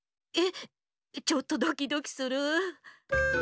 えっちょっとドキドキするう。